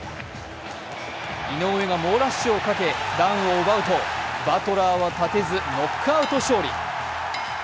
井上が猛ラッシュをかけダウンを奪うとバトラーは立てずノックアウト勝利。